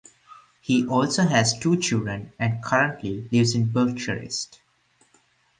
He also has two children and currently lives in Bucharest.